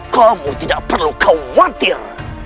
kamu tidak perlu khawatir